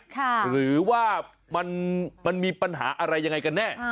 หรือว่ามันมีปัญหาอะไรยังไงกันแน่